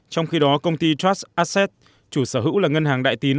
trong khi đó công ty trust assets chủ sở hữu là ngân hàng đại tín